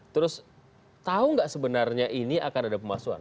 terus tahu nggak sebenarnya ini akan ada pemalsuan